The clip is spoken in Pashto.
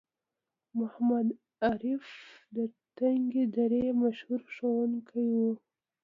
محمد عارف د تنگي درې مشهور ښوونکی وو